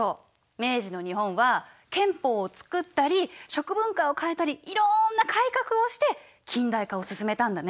明治の日本は憲法を作ったり食文化を変えたりいろんな改革をして近代化を進めたんだね。